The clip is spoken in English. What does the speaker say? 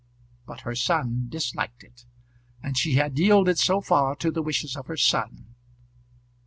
But her son disliked it, and she had yielded so far to the wishes of her son.